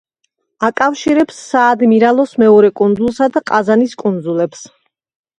აკავშირებს საადმირალოს მეორე კუნძულსა და ყაზანის კუნძულებს.